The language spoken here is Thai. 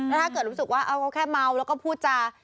ถ้าเกิดรู้สึกว่าเขาแค่เมาแล้วก็พูดจา